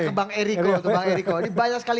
ke bang eriko ini banyak sekali